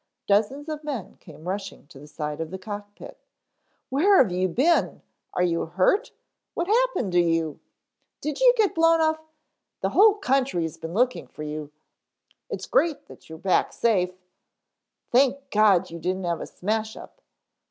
Dozens of men came rushing to the side of the cockpit. "Where have you been " "Are you hurt?" "What happened to you?" "Did you get blown off " "The whole country has been looking for you " "It's great that you are back safe " "Thank God you didn't have a smash up."